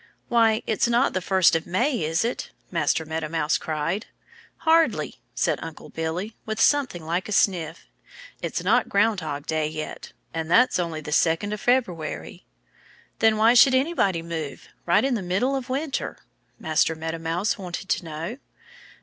"Why, it's not the first of May, is it?" Master Meadow Mouse cried. "Hardly!" said Uncle Billy, with something like a sniff. "It's not Ground Hog Day yet; and that's only the second of February." "Then why should anybody move, right in the middle of winter?" Master Meadow Mouse wanted to know.